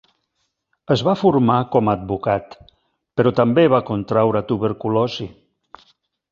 Es va formar com a advocat, però també va contraure tuberculosi.